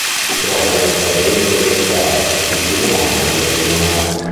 Si trova nel Pavese orientale, sul fiume Lambro meridionale.